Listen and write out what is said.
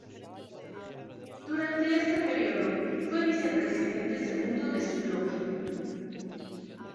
Durante este período fue vicepresidente segundo de su bloque.